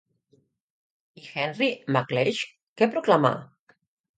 I Henry McLeish què proclama?